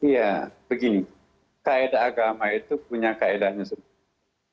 ya begini kaedah agama itu punya kaedahnya sendiri